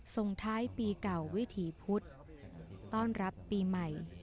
ส่งท้ายปีเก่าวิถีพุธต้อนรับปีใหม่